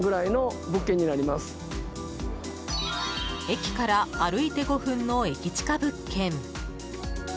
駅から歩いて５分の駅近物件。